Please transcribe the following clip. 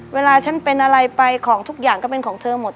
เวลาฉันเป็นอะไรไปของทุกอย่างก็เป็นของเธอหมด